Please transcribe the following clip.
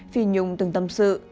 phi nhung từng tâm sự